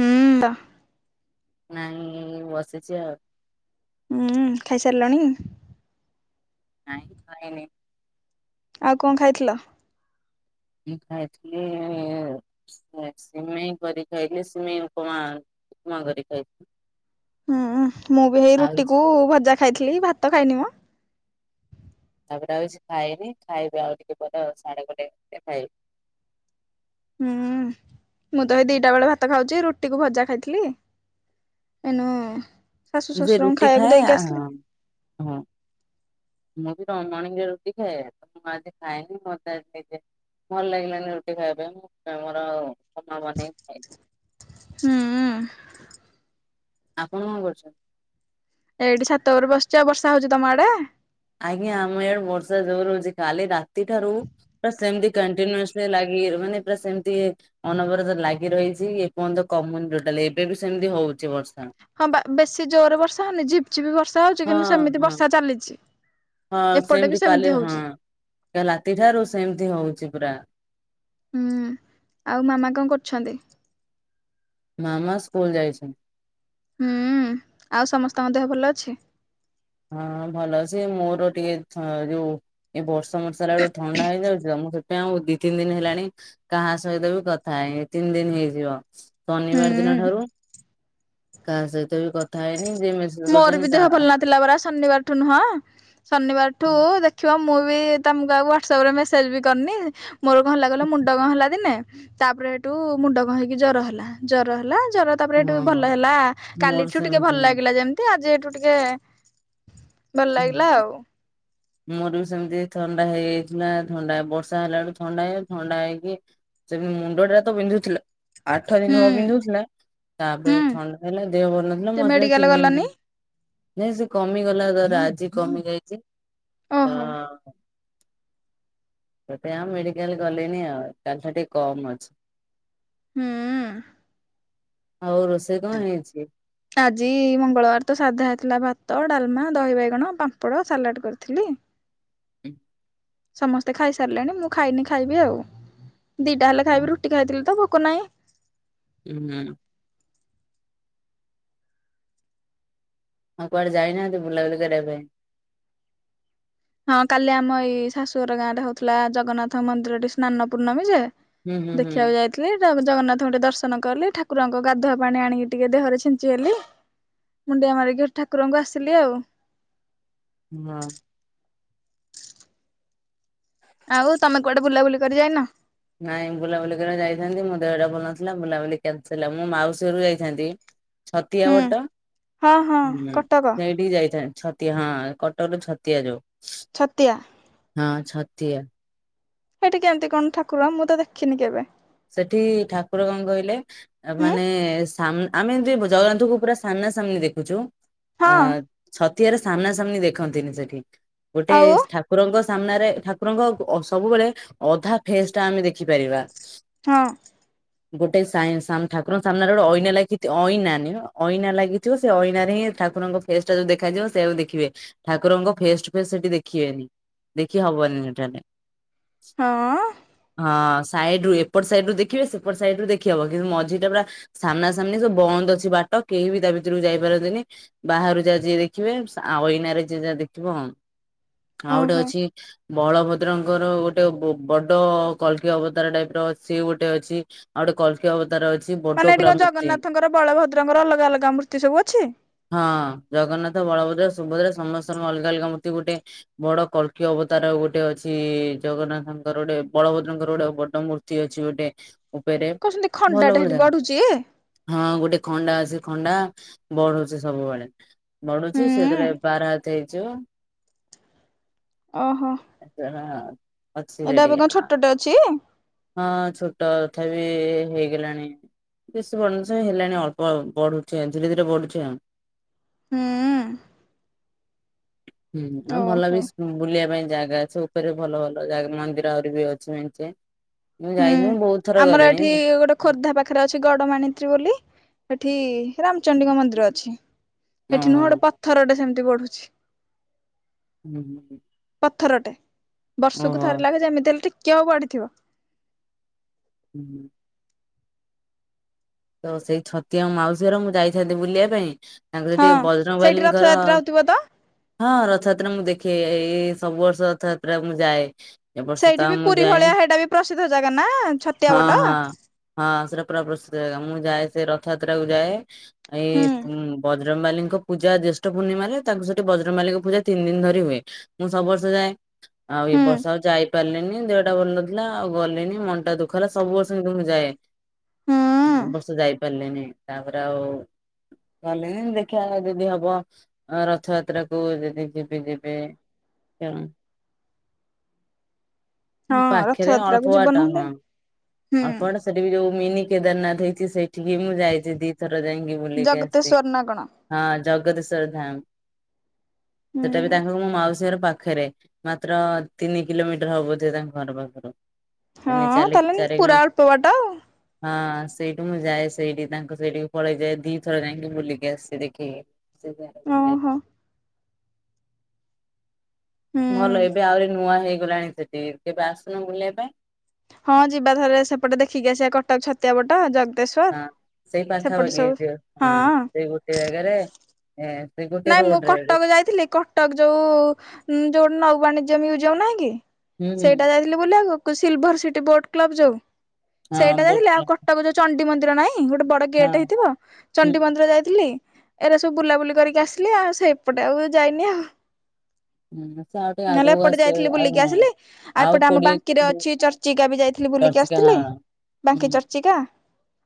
ହୁଁ ତ। ନାଇଁ ବସିଛି ଆଉ। ହୁଁ ଖାଇସାରିଲଣି? ନାଇଁ ଖାଇନି। ଆଉ କଣ ଖାଇଥିଲ? ମୁଁ ଖାଇଥିଲି ସିମେଇ କରି ଖାଇଥିଲି। ସିମେଇ ଉପମା, ଉପମା କରି ଖାଇଥିଲି। ହୁଁ, ମୁଁ ବି, ହେଇ ଆଉ କିଛି ରୁଟିକୁ ଖାଇନି। ଭଜା ଖାଇଥିଲି, ଭାତ ଖାଇନି ମ। ତାପରେ ଆଉକିଛି ଖାଇନି ଖାଇବି ଆଉ ଟିକେ ପରେ ଆଉ ସାଢେ ଗୋଟେ ପରେ ଖାଇବି। ହୁଁ ମୁଁ ତ ଏଇ, ଦିଟା ବେଳେ ଭାତ ଖାଉଛି। ରୁଟିକୁୁ ଭଜା ଖାଇଥିଲି। ଏନୁ, ଶାଶୁ ଶ୍ୱଶୁରଙ୍କୁ ଖାଇବାକୁ ଦେଇକି ଆସିଲି। ହୁଁ। ମୁଁ ବି ତ ମୋର୍ଣିଂରେ ରୁଟି ଖାଏ ତ ମୁଁ ଆଜି ଖାଏନି [unintelligible] ଭଲ ଲାଗିଲାନି ରୁଟି ଖାଇବା ପାଇଁ ଏ ମୁଁ ମୋର [unintelligible] ହୁଁଉଁ। ଆପଣ କ କରୁଛନ୍ତି? ଏଇଠି ସାତପରେ ବସିଛି ବର୍ଷା ହଉଚି ତମ ଆଡେ। ଆଜ୍ଞା ଆମ ଏଇଆଡୁ ବର୍ଷା ଜୋର ହଉଛି କାଲି ରାତି ଠାରୁ ରା ସେମତି କଣ୍ଟିନିଉସ୍ ରେ ଲାଗିକି ରହ ମାନେ ପୁରା ସେମତି ଇଏ ଅନବରତ ଲାଗି ରହିଛି କି ଏ ପର୍ଯ୍ୟନ୍ତ କମୁନି ଟୋଟାଲ ଏବେ ବି ସେମିତି ହଉଛି ବର୍ଷା। ହଁ ବା ବେଶୀ ଜୋରେ ବର୍ଷା ହଉନି ଝିପ୍ ଝିପ୍ ବର୍ଷା ହଉଛି ହଁ କିନ୍ତୁ ସେମିତି ହଁ। ବର୍ଷା ଚାଲିଚି। ଏପଟେ ବି ସେମିତି ହଉଚି। କାଲ ରାତିଠାରୁ ସେମିତି ହଉଚି ପୁରା। ହୁଁ ଆଉ ମାମା କଂ କରୁଛନ୍ତି। ମାମା ସ୍କୁଲ ଯାଇଛି। ହୁଁଉ ଆଉ ସମସ୍ତଙ୍କ ଦେହ ଭଲ ଅଛି। ହଁ ଭଲ ସେ ମୋର ଟିକେ ହ ଯୋଉ ଏ ବର୍ଷ ମର୍ଷା ହେଲାଳକୁ ଥଣ୍ଡା ହେଇଯାଉଚି ତ ମୁଁ ସେ ତ ତେଉଁ ଦି ତିନି ଦିନ ହେଲାଣି କାହା ସହିତ ବି କଥା ହେଇ ତିନି ଦିନ ହେଇଯିବ। ଶନିବାର ହୁଁ। ଦିନ ଠାରୁ କାହା ସହିତ ବି କଥ ମୋର ବି ଦେହ ଭଲ ନଥିଲା ପରା ଶନିବାରଠୁ ନୁହଁ ଶନିବାରଠୁ ଦେଖ ଖିବ ମୁଁ ବି ତମକୁ ଆଉ ହ୍ୱାଟସଆପ୍ରେ ମେସେଜ୍ ବି କରିନି ମୋର କନ୍ ହେଲା କଲ ମୁଣ୍ଡ କ ହେଲା ଦିନେ ତାପରେ ହେଟୁ ମୁଣ୍ଡ କଂ ହେଇକି ଜର ହେଲା ଜର ହେଲା ଜର ତାପରେ ହେଠୁ ଭଲ ହେଲା ମୋର କାଲିଠୁ ଟିକେ ସେମିତି ଭଲ ଲାଗିଲା ଯେମିତି ଆଜି ଏଠୁ ଟିକେ ଭଲ ଲାଗିଲା ହୁଁ। ଆଉ ମୋର ବି ବି ସେମିତି ଥଣ୍ଡା ହେଇଥିଲା ଥଣ୍ଡା ବର୍ଷା ହେଲା ବେଳୁ ଥଣ୍ଡା ହେଇଜା ଥଣ୍ଡା ହେଇକି ସେ ବି ମୁଣ୍ଡ ଟା ତ ବିନ୍ଧୁଥିଲା ଆଠ ଦିନ ହୁଁ ହବ ବିନ୍ଧୁଥିଲା। ହୁଁ ତାପରେ ଥଣ୍ଡା ହେଲା ଦେହ ଭଲନଥିଲା ସେ ମତେ ମେଡିକାଲ ତିନି ଦିନ ଗଲନି ହେଲ ନାଇଁ ସେ କମିଗଲା ତର ଆଜି କମି ଯାଇଚି ଓହୋ ହଁ। ସେପାଇଁ ଆଉ ମେଡିକାଲ ଗଲିନି ଆଉ କାଲିଠୁ ଟିକେ କମ ଅଛି। ହୁଁଉଁ। ଆଉ ରୋଷେଇ କଂ ହେଇଛି? ଆଜି ମଙ୍ଗଳବାର ତ ସାଧା ହେଥିଲା ଭାତ ଡାଲମା ଦହି ବାଇଗଣ ପାମ୍ପଡ ସାଲାଡଟ୍ କରିଥିଲି। [inaudible] ସମସ୍ତେ ଖାଇସାରିଲେଣି ମୁଁ ଖାଇନି ଖାଇବି ଆଉ ଦିଟା ହେଲେ ଖାଇବି ହୁଁ ରୁଟି ଖାଇଥିଲି ତ ଭୋକ ନାହିଁ। ଉଁ ହୁଁ। ଆଉ କୁଆଡେ ଯାଇନାହାନ୍ତି ବୁଲାବୁଲି କରିବା ପାଇଁ। ହଁ କାଲି ଆମ ଏଇ ଶାଶୁଘର ଗାଁ ରେ ହଉଥିଲା ଜଗନ୍ନାଥ ମନ୍ଦିର ଟି ସ୍ନାନ ପୂର୍ଣ୍ଣମୀ ଯେ ହୁଁ ହୁଁ ହୁଁ। ଦେଖିବାକୁ ଯାଇ ଥିଲି ତାପରେ ଜଗନ୍ନାଥଙ୍କୁଟେ ଦର୍ଶନ କଲି ଠାକୁରଙ୍କ ଗାଧୁଆ ପାଣି ଆଣିକି ଟିକେ ଦେହରେ ଛିଞ୍ଚି ହେଲି। ମୁଣ୍ଡିଆ ମାରିକି ଠାକୁରଙ୍କୁ ଆସିଲି ଆଉ। ହଁ। ଆଉ ତମେ କୁଆଡେ ବୁଲାବୁଲି କରି ଯାଇନ। ନାଇଁ ବୁଲାବୁଲି କରିବା ଯାଇଥାନ୍ତି ମୋ ଦେହଟା ଭଲ ନଥିଲା ବୁଲାବୁଲି କ୍ୟାନସଲାଉ ମୁଁ ମାଉସୀ ଘରୁୁ ଯାଇଥାନ୍ତି। ଛତିଆ ହୁଁ ବଟ ହଁ ହଁ ହୁଁ କଟକ ସେଇଠିକି ଯାଇଥାନ୍ତି। ତି ହଁ କଟରୁ ଛତିଆ ଯୋଉ ଛତିଆ। ହଁ ଛତିଆ। ସେଇଠି କେମତି କଣ ଠାକୁର ମୁଁ ତ ଦେଖିନି କେବେ। ସେଠି ଠାକୁର କଣ କହିଲେ ଆ ହୁଁ ମାନେ ସାମ୍ ଆମେ ଏମତି ପ୍ ଜଗନ୍ନାଥଙ୍କୁ ପୁରା ସାମ୍ନା ସାମ୍ନି ଦେଖୁଚୁ ହଁ ଅ ଛତିଆରେ ସାମ୍ନା ସାମ୍ନି ଦେଖନ୍ତିନି ସେଠି ଆଉ ଗୋଟେସ୍ ଠା କୁରଙ୍କ ସାମ୍ନାରେ ଠାକୁରଙ୍କ ଅ ସବୁବେଳେ ଅଧା ଫେସଟା ଆମେ ଦେଖିପାରିବା। ହଁ। ଗୋଟେ ସାଇଁ ସାମ୍ ଠାକୁରଙ୍କ ସାମ୍ନାରେ ଗୋଟେ ଅଇନା ଲାଗିଥି ଅଇନା ନୁହଁ ଅଇନା ଲାଗିଥିବ ସେ ଅଇନାରେ ହିଁ ଠାକୁରଙ୍କ ଫେସଟା ଯଦି ଦେଖାଯିବ ସେ ଆଉ ଦେଖିବେ ଠାକୁରଙ୍କୁ ଫେସ ଟୁ ଫେସ ସେଠି ଦେଖିବେନି। ଦେଖି ହବନି ଏଠାରେ। ହଁଅଁ। ହଁ ସାଇଡରୁ ଏପଟ ସାଇଡରୁ ଦେଖିବେ ସେପଟ ସାଇଡରୁ ଦେଖିହବ କିନ୍ତୁ ମଝିଟା ପୁରା ସାମ୍ନା ସାମ୍ନି ସବୁ ବନ୍ଦ ଅଛି ବାଟ କେହି ବି ତା ଭିତରକୁ ଯାଇପାରନ୍ତିନି। ବାହାରୁ ଯାହା ଯିଏ ଦେଖିବେ ସା ଆଉ ଏଇନାରେ ଯିଏ ଯାହା ଦେଖିବ। ଆଉ ଗୋଟେ ଓହୋ ଅଛି ବଳଭଦ୍ରଙ୍କର ଗୋଟେ ବ-ବଡ କଳକି ଅବତାର ଟାଇପର ସିଏ ଗୋଟେ ଅଛି। ଆଉ ଗୋଟେ କଲକି ଅବତାର ଅଛି ମାନେ ବଡ ଏଠି କୁରା କଣ ମୂର୍ତ୍ତି। ଜଗନ୍ନାଥଙ୍କର ବଳଭଦ୍ରଙ୍କର ଅଲଗା ଅଲଗା ମୂର୍ତ୍ତି ସବୁ ଅଛି? ହଁ ଜଗନ୍ନାଥ, ବଳଭଦ୍ର, ସୁଭଦ୍ରା ସମସ୍ତଙ୍କ ଅଲଗା ଅଲଗା ମୂର୍ତ୍ତି ଗୋଟେ ବଡ କଳକି ଅବତାର ଗୋଟେ ଅଛି ଜଗନ୍ନାଥଙ୍କର ଗୋଟେ ବଳଭଦ୍ରଙ୍କର ଗୋଟେ ବଡ ମୂର୍ ତି ଅଛି ଗୋଟେ ଉପରେ କହୁଛନ୍ତି ଭଲ ଖଣ୍ଡାଟେ ଭଲ ସେଠି ଜା ବଢୁଛି? ହଁ ଗୋଟେ ଖଣ୍ଡା ସେ ଖଣ୍ଡା ବଢୁଚି ସବୁବେଳେ। ବଢିଚି ସେ ହୁଁ ଯେତଳେ ବାର ହାତେ ହେଇଯିବ ଓହୋ। ଆଛା ହଁ। ଏଇଟା ଏବେ କଣ ଛୋଟଟେ ଅଛି? ହଁ ଛୋଟ ତଥାପି ହେଇଗଲାଣି। ବେଶୀ ବଢୁନି ସେ ହେଲାଣି ଅଳ୍ପ ବଢୁଚି ଆ ଧୀରେ ଧୀରେ ବଢୁଚି ଆଁ। ହଁ। ହୁଁ ଆଉ ଭଲ ଓହୋ ବିସ୍ ହୁଁ ବୁଲିବା ପାଇଁ ଜାଗା ଅଛି ଉପରେ ଭଲ ଭଲ ଜାଗା ମନ୍ଦିର ଆହୁରି ବି ଅଛି ମେଞ୍ଚେ। ମୁଁ ହୁଁ ଯାଇନି ମୁଁ ବହୁତ ଥର ଆମର ଗଲିଣି ଏଠି ଗୋଟେ ଖୋର୍ଦ୍ଧା ପାଖରେ ଅଛି ଗଡମାଣିତ୍ରୀ ବୋଲି ହେଠି ରାମଚଣ୍ଡୀଙ୍କ ମନ୍ଦିର ଅଛି। ହେଠି ନୁହଁ ଓହୋ ଗୋଟେ ପଥରଟେ ସେମତି ବଢୁଛି। ହୁଁ ହୁଁ ହୁଁ। ପଥରଟେ ବର୍ଷକୁ ଥରେ ଲାଖେ ଯେମିତି ହେଲେ ଟିକେ ହୋଉ ବାଢିଥିବ। ହୁଁ ହୁଁ। ତ ସେଇ ଛତିଆ ମୋ ମାଉସୀ ଘର ମୁଁ ଯାଇଥାନ୍ତି ବୁଲିବା ପାଇଁ ତାଙ୍କ ହଁ। ହେଠି ସେଇଠି ବଜରଙ୍ଗବାଲିଙ୍କର ରଥଯାତ୍ରା ହଉଥିବ ତ ହଁ ରଥଯାତ୍ରା ମୁଁ ଦେଖେ ଏଇ ସବୁ ବର୍ଷ ରଥଯାତ୍ରାକୁ ମୁଁ ଯାଏ। ଏ ବର୍ଷ ତ ସେଇଠି ଆଉ ବି ମୁଁ ପୁରୀ ଯାଇନି ଭଳିଆ ହେଟା ବି ପ୍ରସିଦ୍ଧ ଜାଗା ନା ଛତିଆ ହଁ ବଟ। ହଁ ହଁ ସେଟା ପୁରା ପ୍ରସ୍ତୁତ ଜାଗା ମୁଁ ଯାଏ ସେ ରଥଯାତ୍ରାକୁ ଯାଏ ହୁଁ ଏଇ ଉଁ ବଜ୍ ବଜରଙ୍ଗବାଲିଙ୍କ ପୂଜା ଜ୍ୟଷ୍ଠ ପୂର୍ଣ୍ଣିମାରେ ତାଙ୍କୁ ସେଠି ବଜରଙ୍ଗବାଲିଙ୍କ ପୂଜା ତିନ ଦିନ ଧରି ହୁଏ। ମୁଁ ସବୁ ବର୍ଷ ଯାଏ ଆଉ ଏ ହୁଁ ବର୍ଷ ଯାଇ ପାରଲିନି ଦେହଟା ଭଲ ନଥିଲା ଆଉ ଗଲିନି ମନଟା ଦୁଃଖ ହେଲା ସବୁ ବର୍ଷ କିନ୍ତୁ ମୁଁ ଯାଏ। ହୁଁ। ଏବ ବର୍ଷ ଯାଇପାରିଲେନି ତାପରେ ଆଉ ଗଲେନି ଦେଖିଆ ଯଦି ହବ। ଅ ରଥଯାତ୍ରାକୁ ଯଦି ଯିବି ଯିବେ। [unintelligible] ହଁ ପାଖେରେ ରଥଯାତ୍ରା ଅଳପ କୁ ଯିବ ବାଟ ନହେଲେ ହଁ ହୁଁ ଅଳ୍ପ ବାଟ ସ୍ ସେଠି ବି ଯୋଉ ମିନି କେଦାରନାଥ ହେଇଚି ସେଇ ଠିକି ମୁଁ ଯାଇଚି ଦିଥର ଯାଇଁକି ବୁଲିକି ଆସଛି। ଜଗତେଶ୍ଵର ନା କଣ ହଁ ଜଗଦେଶ୍ଵର ଧାମ, ସେଟା ବି ହୁଁ। ତାଙ୍କ ମୁଁ ମାଉସୀ ଘର ପାଖରେ। ମାତ୍ର ତିନି କିଲୋମିଟର ହବ ବୋଧେ ତାଙ୍କ ଘର ପାଖରୁ। ହଁ ତିନି ଚାରି ତାଲେ ଚାରି ପୁରା କିଲୋମିଟର ଅଳ୍ପ ବାଟ। ହଁ ସେଇଠୁ ମୁଁ ଯାଏ ସେଇଠି ତାଙ୍କୁ ସେଇଠି ପଳେଇ ଯାଏ ଦିଥର ଯାଇଁକି ବୁଲିକି ଆସିଚି ଦେଖିକି। ଓହୋ [unintelligible] ହୁଁ ଭଲ ଏବେ ଆହୁରି ନୂଆ ହେଇଗଲାଣି ସେଟି କେବେ ଆସୁନ ବୁଲିବା ପାଇଁ। ହଁ ଯିବା ଥରେ ସେପଟେ ଦେଖିକି ଆସିବା କଟକ ଛତିଆ ବଟ ଯଦ-୍ ହଁ ସେଇ ପାଖାପାଖି ହେଇଥିବ ହଁ ସେଇ ଗୋଟିଏ ଜାଗାରେ ସେ ଗୋଟେ ନାଇଁ ମୁଁ ରୋଡ ରେ ଗୋ କଟକ ଯାଇଥିଲି କଟ-୍- ଟକ ଯୋଉ ଯୋଉ ନୌବାଣିଜ ମ୍ୟୁଜିଅମ୍ ନାହିଁ କି ହୁଁ ହୁଁ ସେଇଟା ଯାଇଥିଲ-୍- ବୁଲିଆକୁ ସିଲ୍ଭର ସିଟି ବୋଟ କ୍ଲବ ଯୋଉ ହଁ ସେଇଟା ଯାଇଥିଲି ଆଉ ବୋ କଟକ ଯୋଉ ଚଣ୍ଡି ମନ୍ଦିର ନାଇଁ ଗୋଟେ ବଡ ଗେଟ ହଁ ହେଇଥିବ ଚଣ୍ଡି ହୁଁ ମନ୍ଦିର ଯାଇଥିଲି ଏରା ସବୁ ବୁଲାବୁଲି କରିକ-୍- ଆସିଲି ଆଉ ସେପଟେ ଆଉ ଯାଇନି ଆଉ। ହୁଁ ସେ ଆଉ ଟିକେ ନଲେ ଆଗକୁ ଏପଟେ ଆସିବେ ଯାଇଥିଲି ଆଉ ବୁଲିକି ହଁ। ଆସିଲି ଆଉ ଏପଟେ ଆମ କୋଡିଏ ବାଙ୍କିରେ କିଲୋ ଅଛି ହଁ ଚର୍ଚ୍ଚ-୍- ଚିକା ବି ଯାଇଥିଲି ବୁଲିକି ଚର୍ଚିକା ହଁ ଆସିଥିଲି ହୁଁ ବାଙ୍କି ଚର୍ଚିକା।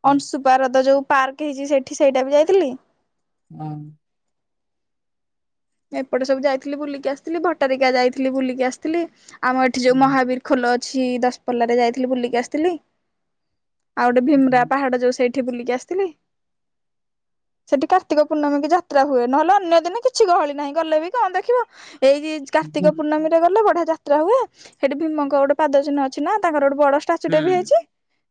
ହୁଁ। ଅଂଶୁ ପାରଦ ଯୋଉ ପାର୍କ ହେଇଛି ସେଠି ସେଇଟା ବି ଯାଇଥିଲି। ଉଁ। ଏପଟେ ସବୁ ଯାଇଥିଲି ବୁଲିକି ଆସିଥିଲି ଭଟାରିକା ଯାଇଥିଲି ବୁଲିକି ଆସିଥିଲି ଆମ ଏଠି ଯୋଉ ହୁଁ ମହାବୀର୍ ଖୋଲ ଅଛି ଦଶପଲ୍ଲା ରେ ଯାଇଥିଲି ବୁଲିକି ଆସିଥିଲି, ଆଉ ଗୋଟେ ହୁଁ ଭିମ୍ରା ପାହାଡ ଯୋଉ ସେଇ ଠି ବୁିଲିକି ଆସିଥିଲି। ସେଠି କାର୍ତ୍ତିକ ପୂଣ୍ଣମି କି ଯାତ୍ରା ହୁଏ, ନହଲେ ଅନ୍ୟ ଦିନେ କିଛି ଗହଳି ନାଇଁ ଗଲେ ବି କଁ ଦେଖିବ, ଏଇ କାର୍ତ୍ତିକ ହୁଁ। ପୂର୍ଣ୍ଣମି ଗଲେ ବଢିଆ ଯାତ୍ରା ହୁଏ, ସେଠି ଭିମଙ୍କ ଗୋଟେ ପାଦ ଚିହ୍ନଅଛି ନା ତାଙ୍କର ଗୋଟେ ବଡ ଷ୍ଟାଚୁ ହୁଁ ଟେ ବି ହୁଁ ହେଇଚି।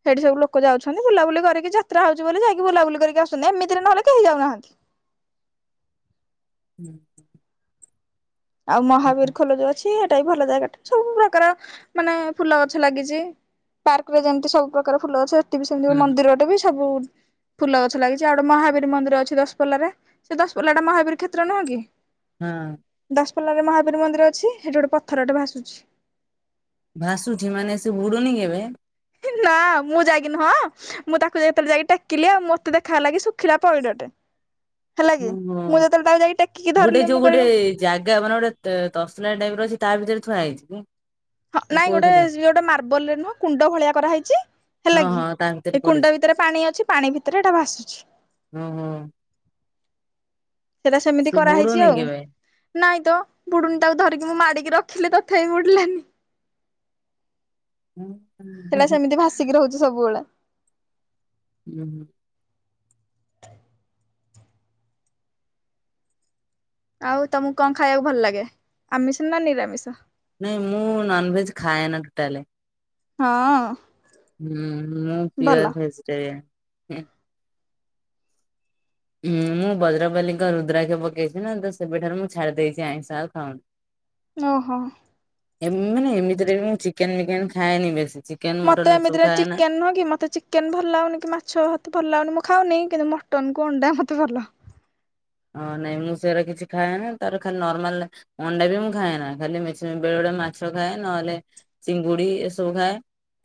ସେଠି ସବୁ ଲୋକ ଯାଉଛନ୍ତି, ବୁଲାବୁଲି କରିକି ଯାତ୍ରା ହଉଚି ବୋଲି ଯାଇକି ବୁଲା ବୁଲି କରିକି ଆସୁଛନ୍ତି, ଏମତି ରେ ନହଲେ କେହି ଯାଉନାହାନ୍ତି। ହୁଁ। ଆଉ ମହାବୀର୍ ଖୋଲ ଯୋଉ ଅଛି ଏଟା ବି ଭଲ ଜାଗାଟେ ସବୁ ପ୍ରକାର ମାନେ ଫୁଲ ଗଛ ଲାଗିଚି। ପାର୍କ ରେ ଯେମିତି ସବୁ ପ୍ରକାର ଫୁଲ ଗଛ ହେଟୀ ବି ସେମିତି ହୁଁ ମନ୍ଦିର ଟେ ବି ସବୁ ଫୁଲ ଗଛ ଲାଗିଛି ଆଉ ଗୋଟେ ମହାବୀର୍ ମନ୍ଦିର ଅଛି ଦଶପଲା ରେ ସେ ଦଶଲଲାଟା ମହାବୀର କ୍ଷେତ୍ର ନୁହଁ କି? ହଁ। ଦସ୍ ପଲା ରେ ମହାବୀର୍ ମନ୍ଦିର ଅଛି, ହେଟି ଗୋଟେ ପଥରଟେ ଭାସୁଛି। ଭାସୁଛିି ମାନେ ସେ ବୁଡୁନି କେବେ? ନା, ମୁଁ ଯାଇକି ନୁହଁ। ମୁଁ ତାକୁ ଯେତେବେଳେ ଯାଇକି ଟେକିଲି ଆଉ ମତେ ଦେଖାଗଲା କି ଶୁଖିଲା ପଇଡଟେ। ହେଲା କି, ହୁଁ ମୁଁ ହଁ। ଯେତେବେଳେ ତାକୁ ଯାଇକି ଟେକିକି ଗୋଟେ ଧରିଲି ଯୋଉ ମୁଁ ଗୋଟେ କହିଲି ଜାଗା ମାନେ ଗୋଟେ ତସଲା ଟାଇପ୍ ର ଅଛି ତା ଭିତରେ ଥୁଆ ହେଇଛି କି? ହଁ ନାଇଁ କୋଉଥିରେ ଗୋଟେ ମାର୍ବଲ୍ ରେ ନୁହଁ କୁଣ୍ଡ ଭଳିଆ କରାହେଇଚି ହଁ ହେଲା କି। ହଁ ତା ଭିତରେ ସେ କୁଣ୍ଡ ପଡିଛି ଭିତରେ ପାଣି ଅଛି, ପାଣି ଭିତରେ ଏଟା ଭାସୁଛି। ହୁଁ ହୁଁ। ସେଟା ସେମିତି ସେ କରାହେଇଚି ବୁଡୁନି ଆଉ। କେବେ। ନାଇଁ ତ ବୁଡୁନି ତାକୁ ଧରିକି ମୁଁ ମାଡ଼ିକି ରଖିଲି ତଥାପି ବୁଡ଼ିଲାନି। ହୁଁ ହୁଁ ସେଟା ସେମିତି ଭାସିକି ରହୁଚି ସବୁବେଳେ। [unintelligible] ଆଉ ତୋମକୁ କଣ ଖାଇବାକୁ ଭଲ ଲାଗେ ଆମିଷ ନା ନିରାମିଷ? ନାଇଁ ମୁଁ ନନ୍ ଭେଜ୍ ଖାଏନା ଟୁଟାଲେ। ହଁ। ହୁଁ ମୁଁ ଭଲ ପିଓର୍ ଭେଜିଟେରିୟାନ୍। ଉଁ, ମୁଁ ବଜ୍ରବାାଲିଙ୍କ ରୁଦ୍ରାକ୍ଷ ପକେଇଛି ନା ତ ସେବେଠାରୁ ମୁଁ ଛାଡି ଦେଇଛି ଆଇଁଷ ଆଉ ଖାଉନି। [inaudible] ଓହୋ! ଏମ୍ ମାନେ ଏମିତିରେ ମୁଁ ଚିକେନ୍ ମିକେନ୍ ଖାଏନି ବେଶୀ। ଚି ମୋତେ ଏମିତିରେ ଚିକେନ୍ ନୁହଁ କି ମୋତେେ ଚି କେନ୍ ଭଲ ଲାଗୁନି କି ମାଛ ମୋତେ ଭଲ ଲାଗୁନି ମୁଁ ଖାଉନି, କିନ୍ତୁ ମଟନ୍ କୁ ଅଣ୍ଡା ମୋତେ ଭଲ। ହଁ ନାଇଁ ମୁଁ ସେରା କିଛି ଖାଏନି ତାର ଖାଲି ନର୍ମାଲ ଅଣ୍ଡା ବି ମୁଁ ଖାଏନା, ଖାଲି ମେସି ବେଳେ ବେଳେ ମାଛ ଖାଏ। ନହେଲେ ଚିଙ୍ଗୁଡି ଏସବୁ ଖାଏ,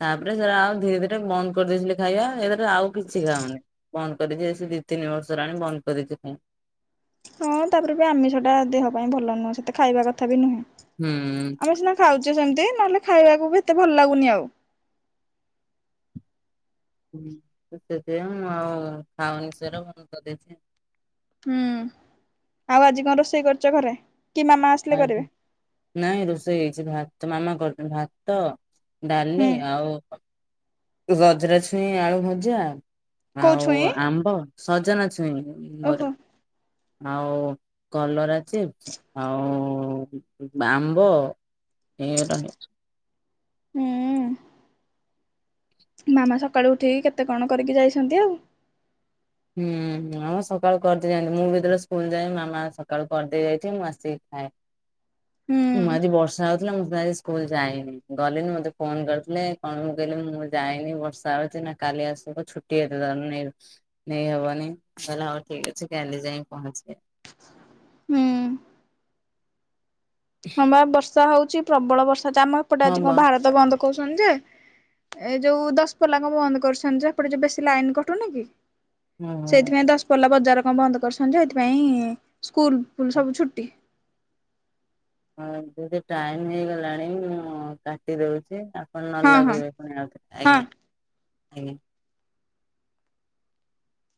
ତାପରେ ସେଟା ଆଉ ଧୀରେ ଧୀରେ ବନ୍ଦ କରିଦେଇଥିଲେ ଖାଇବା। [unintelligible] ଆଉ କିଛି ଖାଉନି, ବନ୍ଦ କରିଦେଇଛି ଏ ସେ ଦି ତିନି ବର୍ଷ ହେଲାଣି ବନ୍ଦ କରିଦେଇଛି ଖାଇବା। ହଁ ତାପରେ ବି ଆମିଷ ଟା ଦେହ ପାଇଁ ଭଲ ନୁହଁ, ସେତେ ଖାଇବା କଥା ବି ନୁହଁ। ହୁଁ। ଖାଉଛେ ସେମିତି ନହେଲେ ଖାଇବାକୁ ବି ଏତେ ଭଲ ଲାଗୁନି ଆଉ। ହୁଁ, ତ ସେଥିପାଇଁ ମୁଁ ଆଉ ଖାଉନି ସେରା ବନ୍ଦ କରିଦେଇଛି। ହୁଁ, ଆଉ ଆଜି କଣ ରୋଷେଇ କରିଚ ଘରେ? କି ମାମା ଆସିଲେ ଆଜି କରିବେ ନାଇଁ ରୋଷେଇ ହେଇଛି ଭା- ତ ମାମା କରଛନ୍ତି ଭାତ ଡାଲି ହୁଁ ଆଉ ସଜନାଛୁଇଁ ଆଳୁ ଭଜା। କୋଉ ଆଉ ଛୁଇଁ ଆମ୍ବ, ସଜନା ଛୁଇଁ ମୋର ଓହୋ ଆଉ କଲରା ଚିସ୍ପ। ଆଉ ଆମ୍ବ ଏରା ହେଇଛି। ହୁଁ। ମାମା ସକାଳୁ ଉଠିକି କେତେ କଣ କରିକି ଯାଇଛନ୍ତି ଆଉ। ହୁଁ, ମାମା ସକାଳୁ କରିଦେଇ ଯାଆନ୍ତି, ମୁଁ ଯେତେବେଳେ ସ୍କୁଲ୍ ଯାଏ, ମାମା ସକାଳୁ କରିଦେଇ ଯାଇଥିବେ ମୁଁ ଆସିକି ଖାଏ। [inaudible] ହୁଁ। ମୁଁ ଆଜି ବର୍ଷା ହଉଥିଲା ମୁଁ ଆଜି ସ୍କୁଲ୍ ଯାଇନି, ଗଲିନି ମୋତେ ଫୋନ୍ କରିଥିଲେ କଣ, ମୁଁ କହିଲି ମୁଁ ଯାଇନି, ବର୍ ସାରେ ସିନା କାଲି ଆସିବ ଛୁଟି ଏତେଟା ନେଉ। ନେଇ ହବନି ତାହେଲେ ହଉ ଠିକ ଅଛି କାଲି ଯାଇ ପହଞ୍ଚିବେ। ହୁଁ। ହଁ ବା ବର୍ଷା ହଉଛି ପ୍ରବଳ ବର୍ଷା ହେଇଛି, ଆମେ ଏପଟେ ହଁ ଆଜି କଣ ବା ଭାରତ ବନ୍ଦ କହୁଛନ ଯେ ଏ ଯୋଉ ଦଶପଲା କୁ ବନ୍ଦ କରଛନ୍ତି ଯେ, ସେପଟେ ଯୋଉ ବେଶୀ ଲାଇନ୍ କଟୁନି କି ହୁଁ ସେଇଥିପାଇଁ ଦଶପଲ୍ଲା ବଜାର କଣ ବନ୍ଦ କରିଛନ୍ତି ଯେ ସେଇଥିପାଇଁ ସ୍କୁଲ୍ ଫୁଲ୍ ସବୁ ଛୁଟି। ହଁ ଦିଦି ଟାଇମ୍ ହେଇଗଲାଣି ମୁଁ କାଟି ଦଉଛି। ଆ ପୁଣି ନ ହଁ ହଁ ଲଗେଇବେ ପୁଣି ଆଉ ଥରେ ହଁ। ଆଜ୍ଞା, ଆଜ୍ଞା।